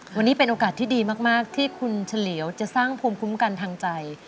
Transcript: วันนี้เป็นโอกาสที่ดีมากที่คุณเฉลียวจะสร้างภูมิคุ้มกันทางใจ